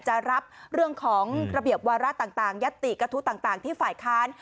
จะรับเรื่องของระเบียบวาระต่างยัตติกระทู้ต่างที่ฝ่ายค้าน